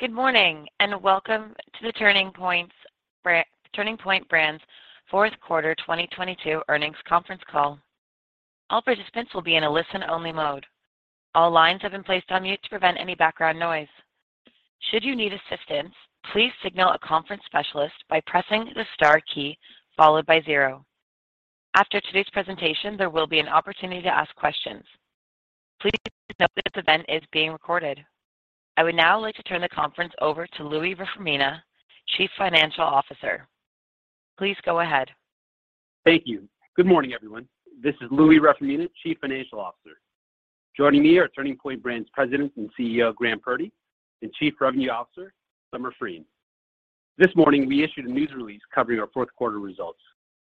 Good morning, welcome to Turning Point Brands' fourth quarter 2022 earnings conference call. All participants will be in a listen-only mode. All lines have been placed on mute to prevent any background noise. Should you need assistance, please signal a conference specialist by pressing the star key followed by zero. After today's presentation, there will be an opportunity to ask questions. Please note that this event is being recorded. I would now like to turn the conference over to Louie Reformina, Chief Financial Officer. Please go ahead. Thank you. Good morning, everyone. This is Louie Reformina, Chief Financial Officer. Joining me are Turning Point Brands' President and CEO, Graham Purdy, and Chief Revenue Officer, Summer Frein. This morning, we issued a news release covering our fourth quarter results.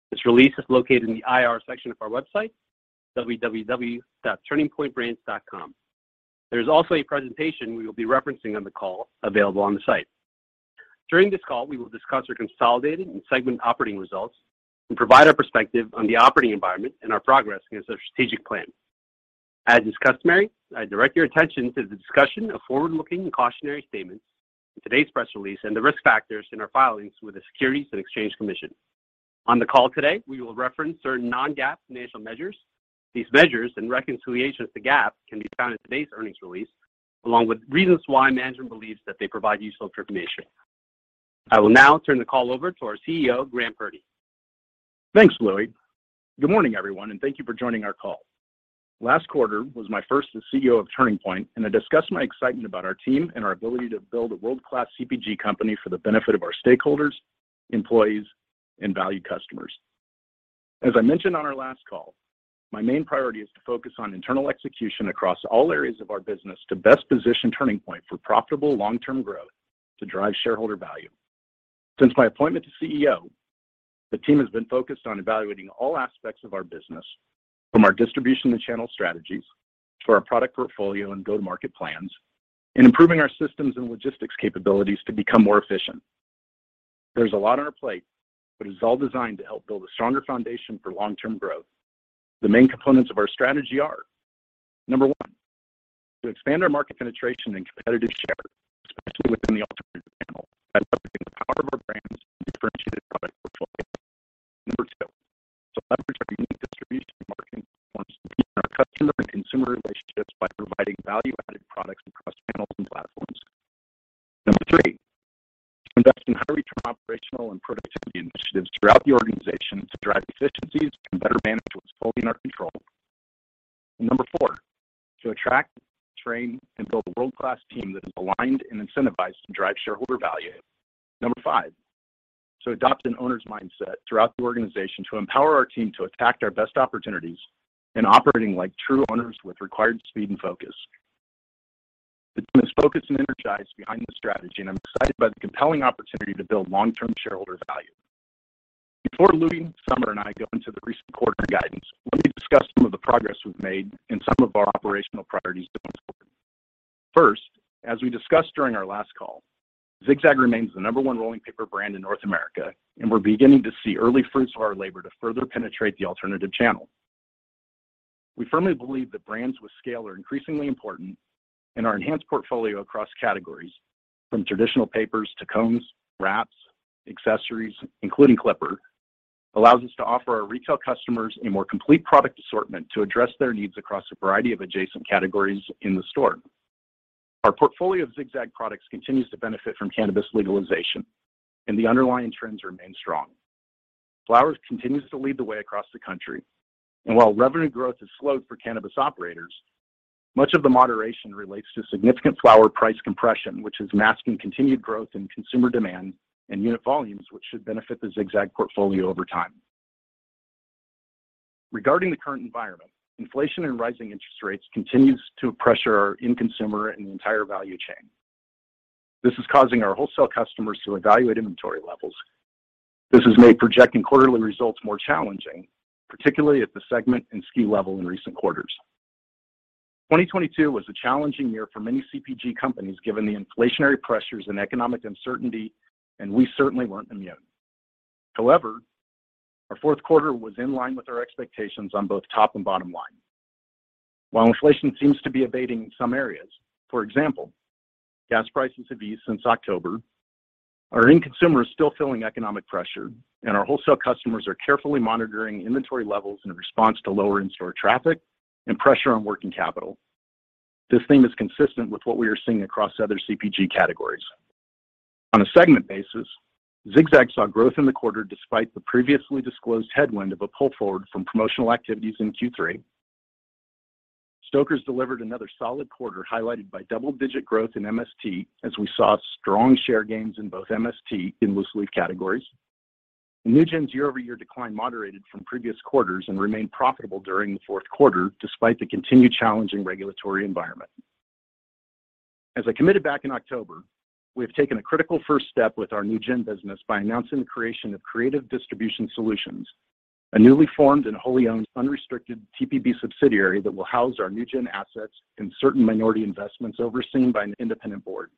This release is located in the IR section of our website, www.turningpointbrands.com. There's also a presentation we will be referencing on the call available on the site. During this call, we will discuss our consolidated and segment operating results and provide our perspective on the operating environment and our progress against our strategic plan. As is customary, I direct your attention to the discussion of forward-looking and cautionary statements in today's press release and the risk factors in our filings with the Securities and Exchange Commission. On the call today, we will reference certain non-GAAP financial measures. These measures and reconciliations to GAAP can be found in today's earnings release, along with reasons why management believes that they provide useful information. I will now turn the call over to our CEO, Graham Purdy. Thanks, Louie. Good morning, everyone. Thank you for joining our call. Last quarter was my first as CEO of Turning Point Brands. I discussed my excitement about our team and our ability to build a world-class CPG company for the benefit of our stakeholders, employees, and valued customers. As I mentioned on our last call, my main priority is to focus on internal execution across all areas of our business to best position Turning Point Brands for profitable long-term growth to drive shareholder value. Since my appointment to CEO, the team has been focused on evaluating all aspects of our business, from our distribution and channel strategies to our product portfolio and go-to-market plans, improving our systems and logistics capabilities to become more efficient. There's a lot on our plate. It's all designed to help build a stronger foundation for long-term growth. The main components of our strategy are, Number one, to expand our market penetration and competitive share, especially within the alternative First, as we discussed during our last call, Zig-Zag remains the number one rolling paper brand in North America, and we're beginning to see early fruits of our labor to further penetrate the alternative channel. We firmly believe that brands with scale are increasingly important, and our enhanced portfolio across categories, from traditional papers to cones, wraps, accessories, including Clipper, allows us to offer our retail customers a more complete product assortment to address their needs across a variety of adjacent categories in the store. Our portfolio of Zig-Zag products continues to benefit from cannabis legalization, and the underlying trends remain strong. Flowers continues to lead the way across the country, and while revenue growth has slowed for cannabis operators, much of the moderation relates to significant flower price compression, which is masking continued growth in consumer demand and unit volumes, which should benefit the Zig-Zag portfolio over time. Regarding the current environment, inflation and rising interest rates continues to pressure our end consumer and the entire value chain. This is causing our wholesale customers to evaluate inventory levels. This has made projecting quarterly results more challenging, particularly at the segment and SKU level in recent quarters. 2022 was a challenging year for many CPG companies, given the inflationary pressures and economic uncertainty, and we certainly weren't immune. However, our fourth quarter was in line with our expectations on both top and bottom line. While inflation seems to be abating in some areas, for example, gas prices have eased since October, our end consumer is still feeling economic pressure, and our wholesale customers are carefully monitoring inventory levels in response to lower in-store traffic and pressure on working capital. This theme is consistent with what we are seeing across other CPG categories. On a segment basis, Zig-Zag saw growth in the quarter despite the previously disclosed headwind of a pull forward from promotional activities in Q3. Stoker's delivered another solid quarter, highlighted by double-digit growth in MST, as we saw strong share gains in both MST in loose leaf categories. NewGen's year-over-year decline moderated from previous quarters and remained profitable during the fourth quarter despite the continued challenging regulatory environment. As I committed back in October, we have taken a critical first step with our NewGen business by announcing the creation of Creative Distribution Solutions, a newly formed and wholly owned unrestricted TPB subsidiary that will house our NewGen assets and certain minority investments overseen by an independent board.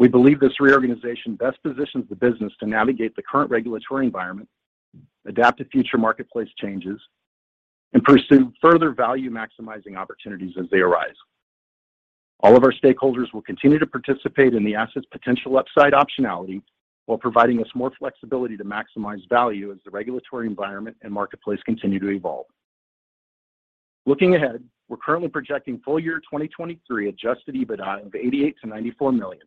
We believe this reorganization best positions the business to navigate the current regulatory environment, adapt to future marketplace changes, pursue further value maximizing opportunities as they arise. All of our stakeholders will continue to participate in the asset's potential upside optionality while providing us more flexibility to maximize value as the regulatory environment and marketplace continue to evolve. Looking ahead, we're currently projecting full-year 2023 adjusted EBITDA of $88 million-$94 million.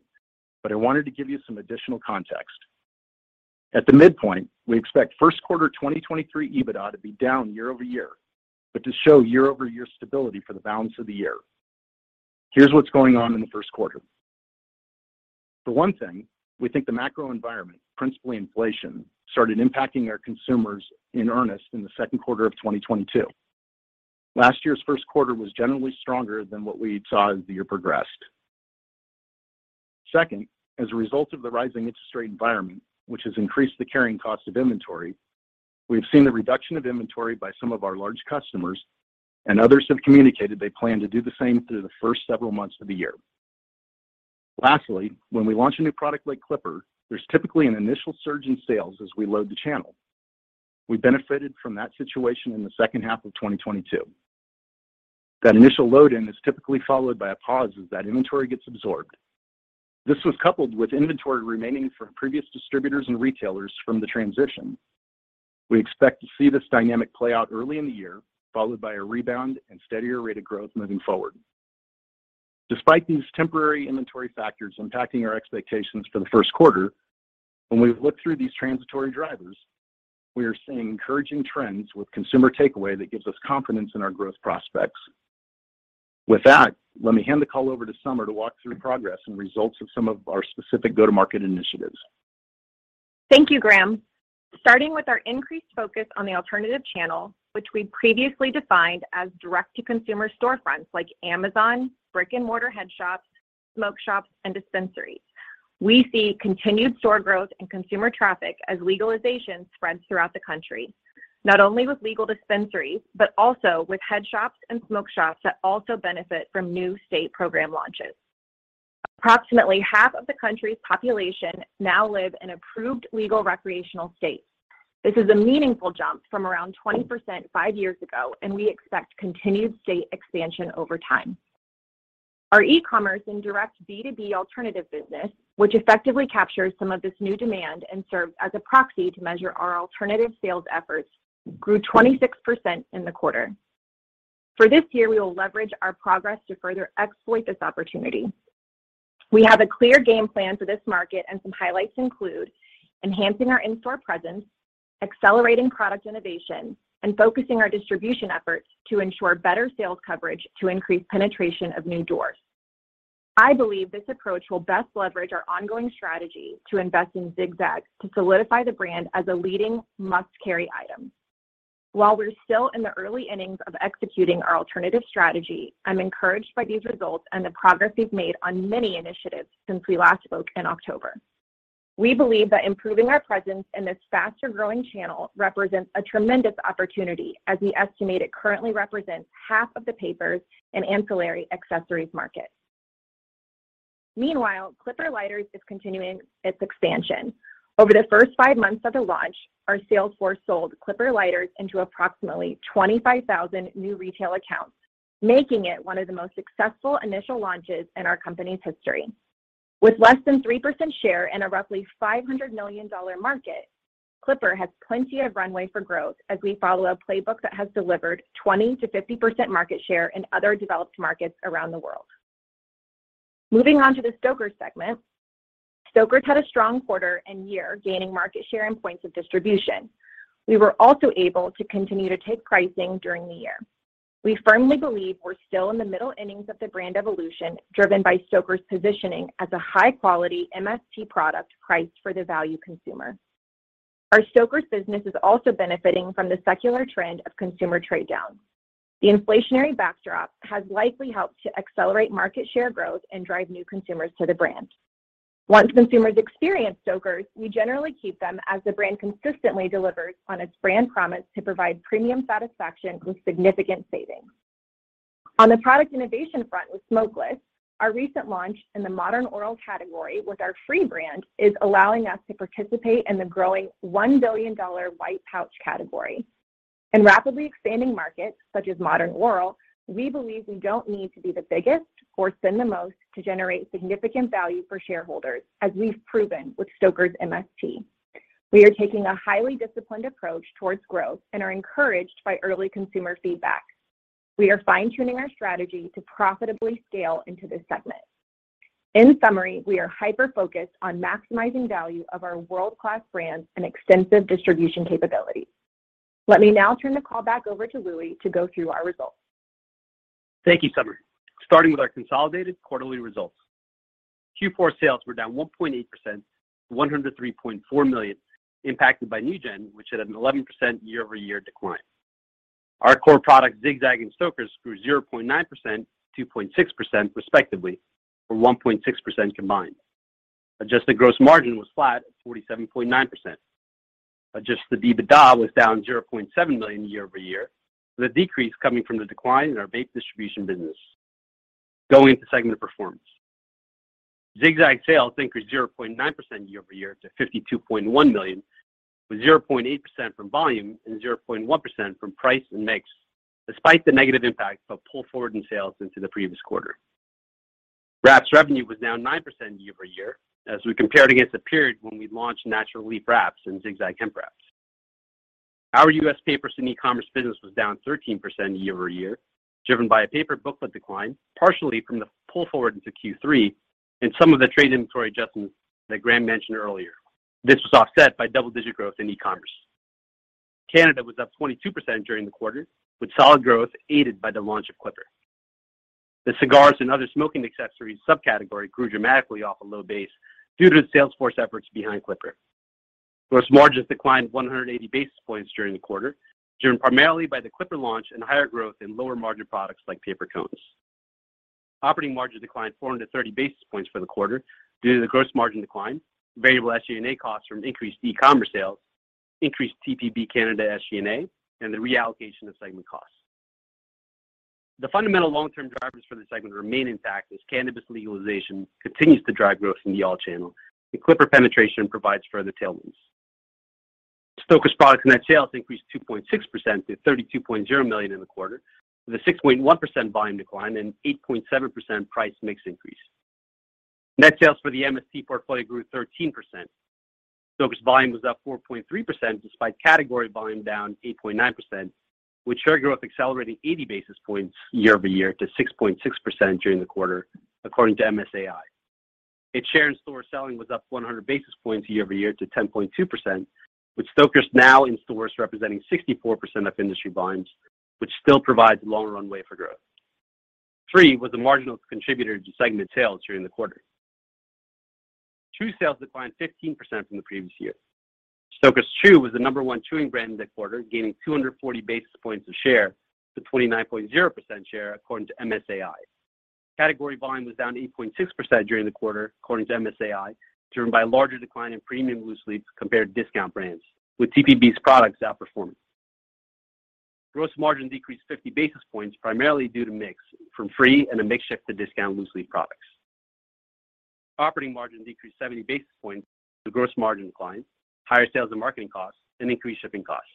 I wanted to give you some additional context. At the midpoint, we expect first quarter 2023 EBITDA to be down year-over-year, but to show year-over-year stability for the balance of the year. Here's what's going on in the first quarter. For one thing, we think the macro environment, principally inflation, started impacting our consumers in earnest in the second quarter of 2022. Last year's first quarter was generally stronger than what we saw as the year progressed. Second, as a result of the rising interest rate environment, which has increased the carrying cost of inventory, we've seen the reduction of inventory by some of our large customers, and others have communicated they plan to do the same through the first several months of the year. Lastly, when we launch a new product like Clipper, there's typically an initial surge in sales as we load the channel. We benefited from that situation in the second half of 2022. That initial load in is typically followed by a pause as that inventory gets absorbed. This was coupled with inventory remaining from previous distributors and retailers from the transition. We expect to see this dynamic play out early in the year, followed by a rebound and steadier rate of growth moving forward. Despite these temporary inventory factors impacting our expectations for the first quarter, when we look through these transitory drivers, we are seeing encouraging trends with consumer takeaway that gives us confidence in our growth prospects. With that, let me hand the call over to Summer to walk through progress and results of some of our specific go-to-market initiatives. Thank you, Graham. Starting with our increased focus on the alternative channel, which we previously defined as direct-to-consumer storefronts like Amazon, brick-and-mortar head shops, smoke shops, and dispensaries. We see continued store growth and consumer traffic as legalization spreads throughout the country, not only with legal dispensaries, but also with head shops and smoke shops that also benefit from new state program launches. Approximately half of the country's population now live in approved legal recreational states. This is a meaningful jump from around 20% five years ago. We expect continued state expansion over time. Our e-commerce and direct B2B alternative business, which effectively captures some of this new demand and serves as a proxy to measure our alternative sales efforts, grew 26% in the quarter. For this year, we will leverage our progress to further exploit this opportunity. We have a clear game plan for this market. Some highlights include enhancing our in-store presence, accelerating product innovation, and focusing our distribution efforts to ensure better sales coverage to increase penetration of new doors. I believe this approach will best leverage our ongoing strategy to invest in Zig-Zag to solidify the brand as a leading must-carry item. While we're still in the early innings of executing our alternative channel, I'm encouraged by these results and the progress we've made on many initiatives since we last spoke in October. We believe that improving our presence in this faster-growing channel represents a tremendous opportunity as we estimate it currently represents half of the papers and ancillary accessories market. Meanwhile, Clipper lighters is continuing its expansion. Over the first five months of the launch, our sales force sold Clipper lighters into approximately 25,000 new retail accounts, making it one of the most successful initial launches in our company's history. With less than 3% share in a roughly $500 million market, Clipper has plenty of runway for growth as we follow a playbook that has delivered 20%-50% market share in other developed markets around the world. Moving on to the Stoker's segment. Stoker's had a strong quarter and year gaining market share and points of distribution. We were also able to continue to take pricing during the year. We firmly believe we're still in the middle innings of the brand evolution, driven by Stoker's positioning as a high-quality MST product priced for the value consumer. Our Stoker's business is also benefiting from the secular trend of consumer trade-down. The inflationary backdrop has likely helped to accelerate market share growth and drive new consumers to the brand. Once consumers experience Stoker's, we generally keep them as the brand consistently delivers on its brand promise to provide premium satisfaction with significant savings. On the product innovation front with smokeless, our recent launch in the Modern Oral category with our FRĒ brand is allowing us to participate in the growing $1 billion white pouch category. In rapidly expanding markets such as Modern Oral, we believe we don't need to be the biggest or spend the most to generate significant value for shareholders, as we've proven with Stoker's MST. We are taking a highly disciplined approach towards growth and are encouraged by early consumer feedback. We are fine-tuning our strategy to profitably scale into this segment. We are hyper-focused on maximizing value of our world-class brands and extensive distribution capabilities. Let me now turn the call back over to Louie to go through our results. Thank you, Summer. Starting with our consolidated quarterly results. Q4 sales were down 1.8% to $103.4 million, impacted by NewGen, which had an 11% year-over-year decline. Our core product, Zig-Zag and Stoker's, grew 0.9%-2.6% respectively, or 1.6% combined. Adjusted gross margin was flat at 47.9%. Adjusted EBITDA was down $0.7 million year-over-year, with a decrease coming from the decline in our vape distribution business. Going to segment performance. Zig-Zag sales increased 0.9% year-over-year to $52.1 million, with 0.8% from volume and 0.1% from price and mix, despite the negative impact of pull forward in sales into the previous quarter. Wraps revenue was down 9% year-over-year as we compared against the period when we launched Natural Leaf Wraps and Zig-Zag Hemp Wraps. Our U.S. papers and e-commerce business was down 13% year-over-year, driven by a paper booklet decline, partially from the pull forward into Q3 and some of the trade inventory adjustments that Graham mentioned earlier. This was offset by double-digit growth in e-commerce. Canada was up 22% during the quarter, with solid growth aided by the launch of Clipper. The cigars and other smoking accessories subcategory grew dramatically off a low base due to the salesforce efforts behind Clipper. Gross margins declined 180 basis points during the quarter, driven primarily by the Clipper launch and higher growth in lower-margin products like paper cones. Operating margins declined 430 basis points for the quarter due to the gross margin decline, variable SG&A costs from increased e-commerce sales, increased TPB Canada SG&A, and the reallocation of segment costs. The fundamental long-term drivers for the segment remain intact as cannabis legalization continues to drive growth in the all channel, and Clipper penetration provides further tailwinds. Stoker's products net sales increased 2.6% to $32.0 million in the quarter, with a 6.1% volume decline and 8.7% price mix increase. Net sales for the MST portfolio grew 13%. Stoker's volume was up 4.3% despite category volume down 8.9%, with share growth accelerating 80 basis points year-over-year to 6.6% during the quarter, according to MSAi. Its share in-store selling was up 100 basis points year-over-year to 10.2%, with Stoker's now in stores representing 64% of industry volumes, which still provides a long runway for growth. FRĒ was a marginal contributor to segment sales during the quarter. Chew sales declined 15% from the previous year. Stoker's Chew was the number one chewing brand in the quarter, gaining 240 basis points of share to 29.0% share, according to MSAi. Category volume was down 8.6% during the quarter, according to MSAi, driven by a larger decline in premium loose leafs compared to discount brands, with TPB's products outperforming. Gross margin decreased 50 basis points primarily due to mix from FRĒ and a mix shift to discount loose-leaf products. Operating margin decreased 70 basis points to gross margin decline, higher sales and marketing costs, and increased shipping costs.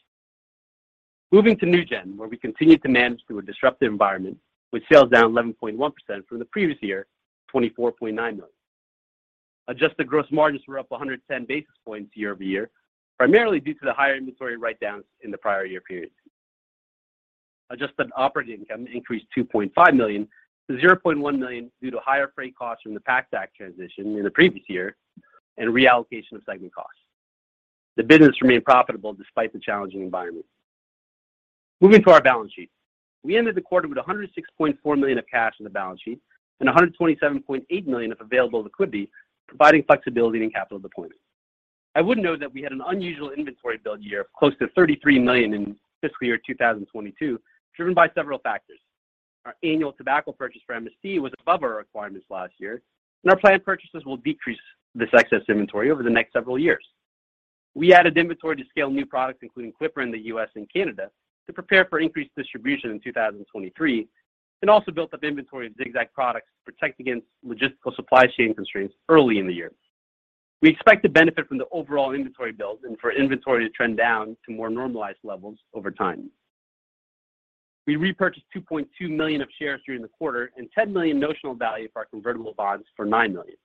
Moving to NewGen, where we continued to manage through a disruptive environment with sales down 11.1% from the previous year to $24.9 million. Adjusted gross margins were up 110 basis points year-over-year, primarily due to the higher inventory write-downs in the prior year period. Adjusted operating income increased $2.5 million-$0.1 million due to higher Freight costs from the PACT Act transition in the previous year and reallocation of segment costs. The business remained profitable despite the challenging environment. Moving to our balance sheet. We ended the quarter with $106.4 million of cash on the balance sheet and $127.8 million of available liquidity, providing flexibility in capital deployment. I would note that we had an unusual inventory build year of close to $33 million in fiscal year 2022, driven by several factors. Our annual tobacco purchase for MST was above our requirements last year, and our planned purchases will decrease this excess inventory over the next several years. We added inventory to scale new products, including Clipper in the U.S. and Canada, to prepare for increased distribution in 2023, and also built up inventory of Zig-Zag products to protect against logistical supply chain constraints early in the year. We expect to benefit from the overall inventory build and for inventory to trend down to more normalized levels over time. We repurchased 2.2 million of shares during the quarter and $10 million notional value of our convertible bonds for $9 million.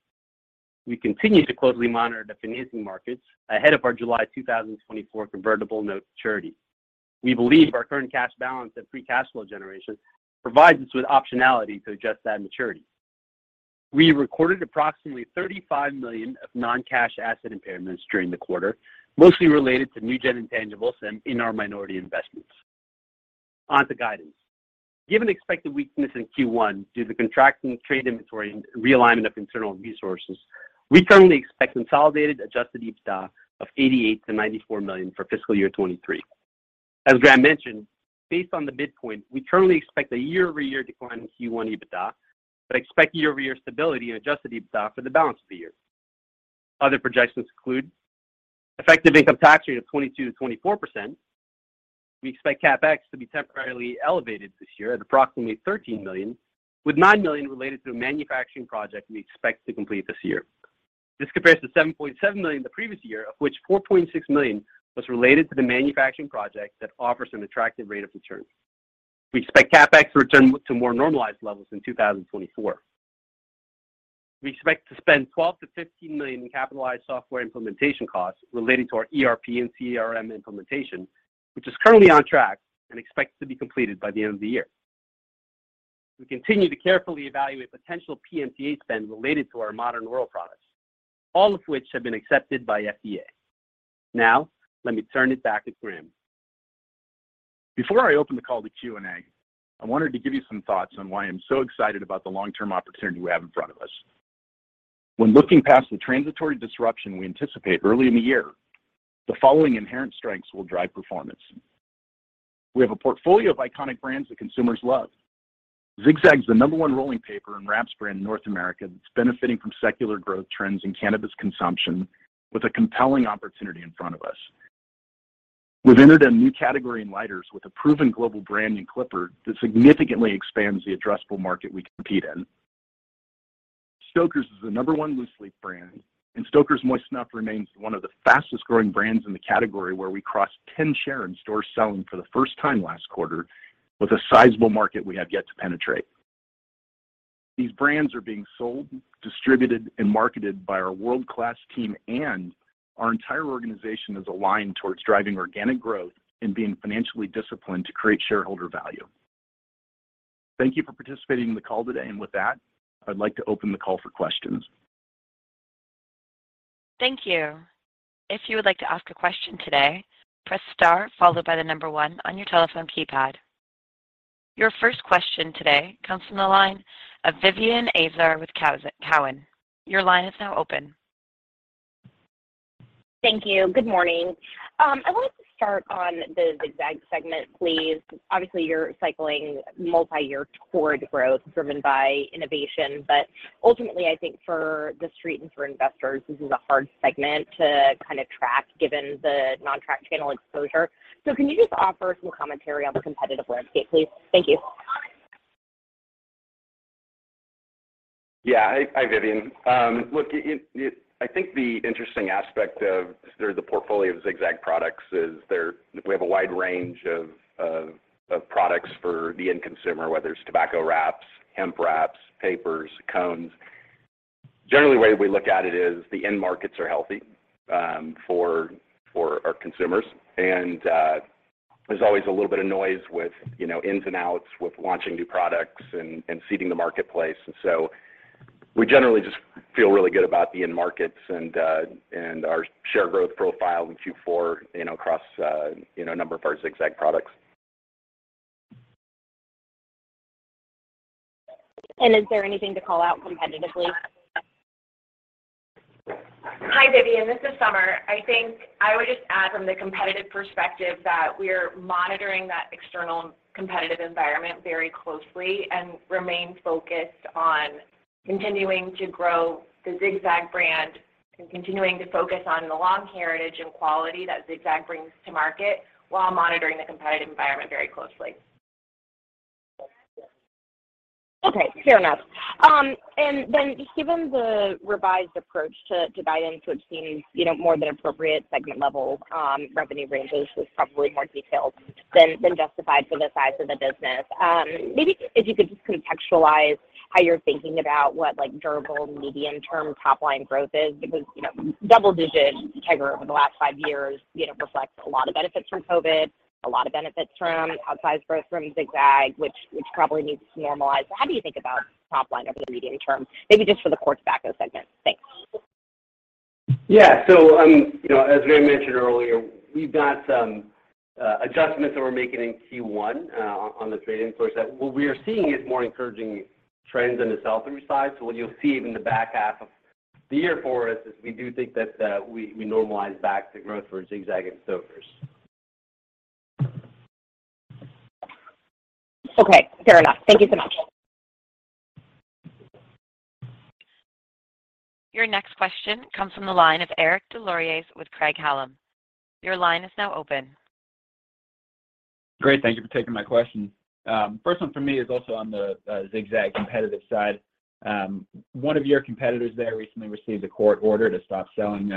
We continue to closely monitor the financing markets ahead of our July 2024 convertible note maturity. We believe our current cash balance and FRĒe cash flow generation provides us with optionality to adjust that maturity. We recorded approximately $35 million of non-cash asset impairments during the quarter, mostly related to NewGen intangibles and in our minority investments. On to guidance. Given the expected weakness in Q1 due to the contracting trade inventory and realignment of internal resources, we currently expect consolidated adjusted EBITDA of $88 million-$94 million for fiscal year 2023. As Graham mentioned, based on the midpoint, we currently expect a year-over-year decline in Q1 EBITDA, but expect year-over-year stability in adjusted EBITDA for the balance of the year. Other projections include effective income tax rate of 22%-24%. We expect CapEx to be temporarily elevated this year at approximately $13 million, with $9 million related to a manufacturing project we expect to complete this year. This compares to $7.7 million the previous year, of which $4.6 million was related to the manufacturing project that offers an attractive rate of return. We expect CapEx to return to more normalized levels in 2024. We expect to spend $12 million-$15 million in capitalized software implementation costs related to our ERP and CRM implementation, which is currently on track and expects to be completed by the end of the year. We continue to carefully evaluate potential PMTA spend related to our Modern Oral products, all of which have been accepted by FDA. Let me turn it back to Graham. Before I open the call to Q&A, I wanted to give you some thoughts on why I'm so excited about the long-term opportunity we have in front of us. When looking past the transitory disruption we anticipate early in the year, the following inherent strengths will drive performance. We have a portfolio of iconic brands that consumers love. Zig-Zag is the number one rolling paper and wraps brand in North America that's benefiting from secular growth trends in cannabis consumption with a compelling opportunity in front of us. We've entered a new category in lighters with a proven global brand in Clipper that significantly expands the addressable market we compete in. Stoker's is the number one loose leaf brand, and Stoker's Moist Snuff remains one of the fastest-growing brands in the category where we crossed 10% share in stores selling for the first time last quarter with a sizable market we have yet to penetrate. These brands are being sold, distributed, and marketed by our world-class team, and our entire organization is aligned towards driving organic growth and being financially disciplined to create shareholder value. Thank you for participating in the call today. With that, I'd like to open the call for questions. Thank you. If you would like to ask a question today, press star followed by the number one on your telephone keypad. Your first question today comes from the line of Vivien Azer with Cowen. Your line is now open. Thank you. Good morning. I wanted to start on the Zig-Zag segment, please. Obviously, you're cycling multi-year toward growth driven by innovation, ultimately, I think for The Street and for investors, this is a hard segment to kind of track given the non-track channel exposure. Can you just offer some commentary on the competitive landscape, please? Thank you. Yeah. Hi, Vivien. look, it I think the interesting aspect of the portfolio of Zig-Zag products is we have a wide range of products for the end consumer, whether it's tobacco wraps, hemp wraps, papers, cones. Generally, the way we look at it is the end markets are healthy for our consumers. There's always a little bit of noise with, you know, ins and outs with launching new products and seeding the marketplace. We generally just feel really good about the end markets and our share growth profile in Q4, you know, across, you know, a number of our Zig-Zag products. Is there anything to call out competitively? Hi, Vivien. This is Summer. I think I would just add from the competitive perspective that we're monitoring that external competitive environment very closely and remain focused on continuing to grow the Zig-Zag brand and continuing to focus on the long heritage and quality that Zig-Zag brings to market while monitoring the competitive environment very closely. Okay. Fair enough. Just given the revised approach to guidance, which seems, you know, more than appropriate segment level, revenue ranges was probably more detailed than justified for the size of the business. Maybe if you could just contextualize how you're thinking about what, like, durable medium-term top-line growth is because, you know, double-digit CAGR over the last five years, you know, reflects a lot of benefits from COVID, a lot of benefits from outsized growth from Zig-Zag, which probably needs to normalize. How do you think about top-line over the medium-term? Maybe just for the core tobacco segment. Thanks. Yeah. You know, as Graham mentioned earlier, we've got some adjustments that we're making in Q1 on the trade-in floor set. What we are seeing is more encouraging trends in the self-service side. What you'll see in the back half of the year for us is we do think that we normalize back to growth for Zig-Zag and Stoker's. Okay. Fair enough. Thank you so much. Your next question comes from the line of Eric Deslauriers with Craig-Hallum. Your line is now open. Great. Thank you for taking my question. First one for me is also on the Zig-Zag competitive side. One of your competitors there recently received a court order to stop selling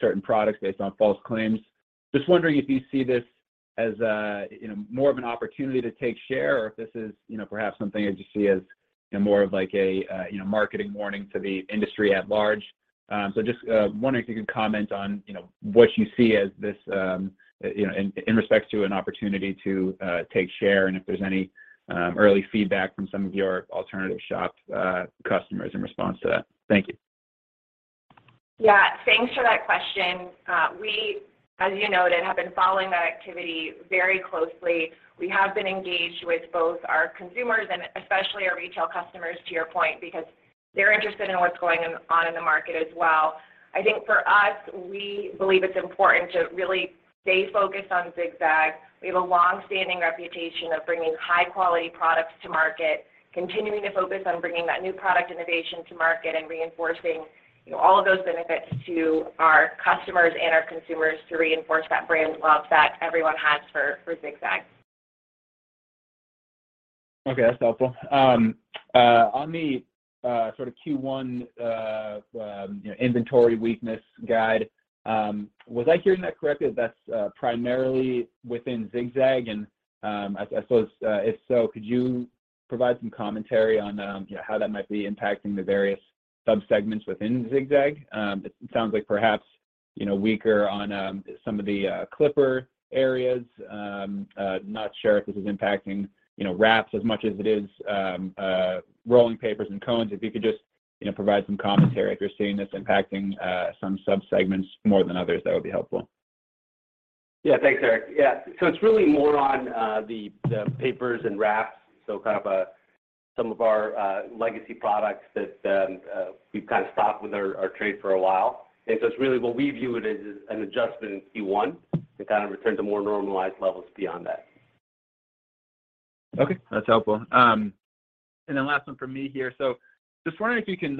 certain products based on false claims. Just wondering if you see this as a, you know, more of an opportunity to take share or if this is, you know, perhaps something that you see as, you know, more of like a, you know, marketing warning to the industry at large. Just wondering if you could comment on, you know, what you see as this, you know, in respect to an opportunity to take share and if there's any early feedback from some of your alternative shop customers in response to that. Thank you. Thanks for that question. We, as you noted, have been following that activity very closely. We have been engaged with both our consumers and especially our retail customers, to your point, because they're interested in what's going on in the market as well. I think for us, we believe it's important to really stay focused on Zig-Zag. We have a long-standing reputation of bringing high-quality products to market, continuing to focus on bringing that new product innovation to market and reinforcing, you know, all of those benefits to our customers and our consumers to reinforce that brand love that everyone has for Zig-Zag. Okay. That's helpful. On the sort of Q1, you know, inventory weakness guide, was I hearing that correctly that's primarily within Zig-Zag? I suppose, if so, could you provide some commentary on, you know, how that might be impacting the various subsegments within Zig-Zag? It sounds like perhaps, you know, weaker on some of the Clipper areas. Not sure if this is impacting, you know, wraps as much as it is, rolling papers and cones. If you could just, you know, provide some commentary if you're seeing this impacting some subsegments more than others, that would be helpful. Yeah. Thanks, Eric. Yeah. It's really more on the papers and wraps, kind of some of our legacy products that we've kind of stopped with our trade for a while. It's really what we view it as is an adjustment in Q1 to kind of return to more normalized levels beyond that. Okay, that's helpful. Last one from me here. Just wondering if you can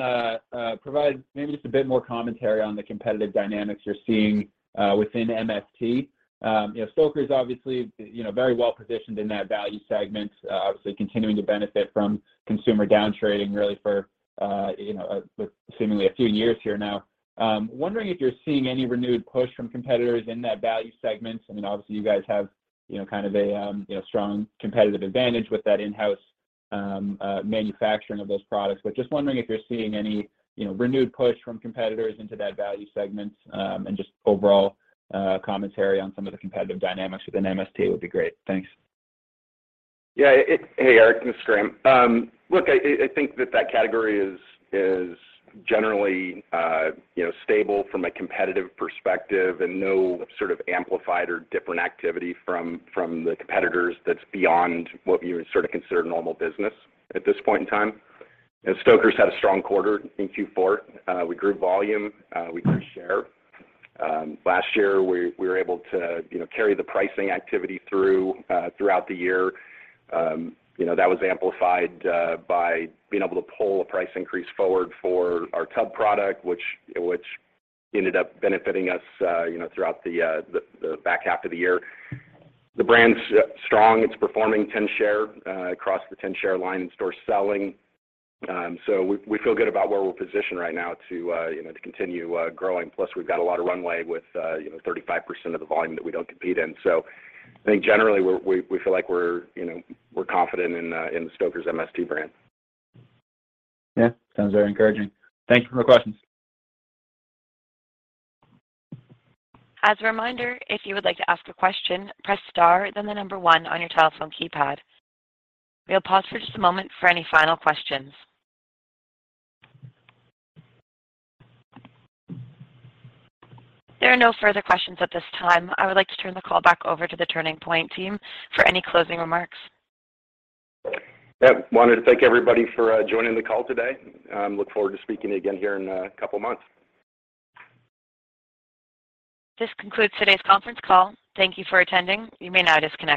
provide maybe just a bit more commentary on the competitive dynamics you're seeing within MST. You know, Stoker's is obviously, you know, very well-positioned in that value segment, obviously continuing to benefit from consumer down trading really for, you know, with seemingly a few years here now. Wondering if you're seeing any renewed push from competitors in that value segment. I mean, obviously, you guys have, you know, kind of a, you know, strong competitive advantage with that in-house manufacturing of those products. Just wondering if you're seeing any, you know, renewed push from competitors into that value segment, and just overall commentary on some of the competitive dynamics within MST would be great. Thanks. Yeah. Hey, Eric, this is Graham. Look, I think that category is generally, you know, stable from a competitive perspective and no sort of amplified or different activity from the competitors that's beyond what you would sort of consider normal business at this point in time. Stoker's had a strong quarter in Q4. We grew volume, we grew share. Last year, we were able to, you know, carry the pricing activity through throughout the year. You know, that was amplified by being able to pull a price increase forward for our tub product, which ended up benefiting us, you know, throughout the back half of the year. The brand's strong. It's performing 10 share across the 10 share line and store selling. We feel good about where we're positioned right now to, you know, to continue growing. We've got a lot of runway with, you know, 35% of the volume that we don't compete in. I think generally we feel like we're, you know, we're confident in the Stoker's MST brand. Yeah. Sounds very encouraging. Thank you. No more questions. As a reminder, if you would like to ask a question, press star then the number 1 on your telephone keypad. We'll pause for just a moment for any final questions. There are no further questions at this time. I would like to turn the call back over to the Turning Point team for any closing remarks. Yep. Wanted to thank everybody for joining the call today. Look forward to speaking again here in a couple of months. This concludes today's conference call. Thank you for attending. You may now disconnect.